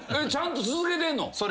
ちゃんと続けてんの？